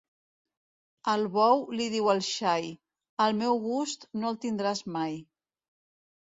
El bou li diu al xai: el meu gust no el tindràs mai.